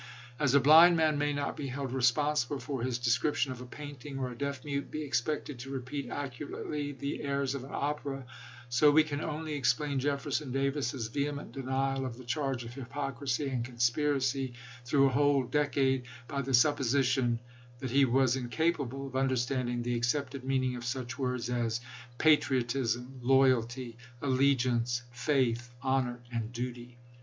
As a blind man may not be held responsible for his de scription of a painting, or a deaf mute be expected to repeat accurately the airs of an opera, so we can only explain Jefferson Davis's vehement denial of the charge of hypocrisy and conspiracy through a whole decade, by the supposition that he was in capable of understanding the accepted meaning of such words as " patriotism," " loyalty," " allegiance," " faith," " honor," and " duty."